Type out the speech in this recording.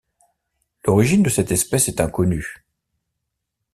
L'origine de cette espèce est inconnue.